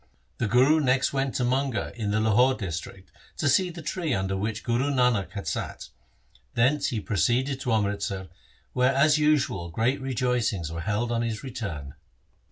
The Guru next went to Manga in the Lahore district to see the tree under which Guru Nanak had sat. Thence he proceeded to Amritsar where as usual great rejoicings were held on his return.